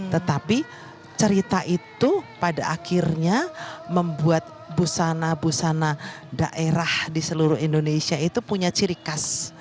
tetapi cerita itu pada akhirnya membuat busana busana daerah di seluruh indonesia itu punya ciri khas